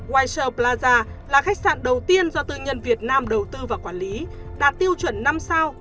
wiser plaza là khách sạn đầu tiên do tư nhân việt nam đầu tư và quản lý đạt tiêu chuẩn năm sao